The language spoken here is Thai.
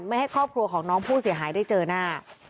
ไม่ให้ครอบครัวของน้องผู้เสียหายได้เจอหน้า